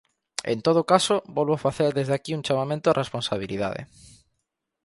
En todo caso, volvo facer desde aquí un chamamento á responsabilidade.